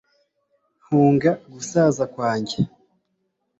hunga gusaza kwanjye